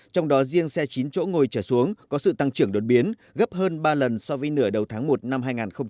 trong đó riêng xe chín chỗ ngồi trở xuống có sự tăng trưởng đột biến gấp hơn ba lần so với nửa đầu tháng một năm hai nghìn hai mươi